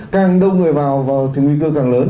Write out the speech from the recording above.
càng đông người vào thì nguy cơ càng lớn